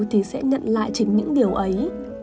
thì sẽ nhận lại chính những điều ấy